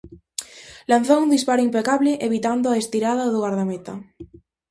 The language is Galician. Lanzou un disparo impecable evitando a estirada do gardameta.